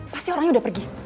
pasti orangnya udah pergi